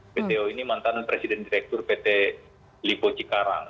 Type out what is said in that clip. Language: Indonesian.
pto ini mantan presiden direktur pt lipo cikarang